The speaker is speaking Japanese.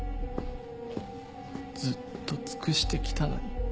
ずっと尽くしてきたのに。